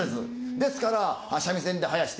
ですから三味線ではやして。